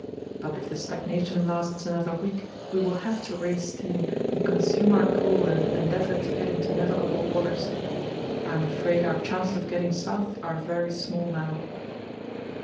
But if this stagnation lasts another week we will have to raise steam and consume our coal in an endeavour to get into navigable waters. I am afraid our chances of getting south are very small now."